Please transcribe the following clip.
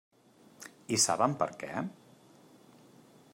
I saben per què?